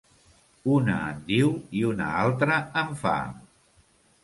Una en diu i una altra en fa.